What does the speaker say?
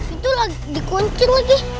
itu lagi di kuncin lagi